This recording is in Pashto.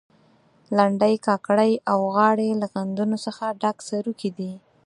لنډۍ، کاکړۍ او غاړې له غندنو څخه ډک سروکي دي.